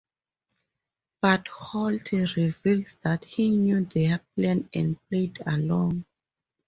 But Holt reveals that he knew their plan and played along.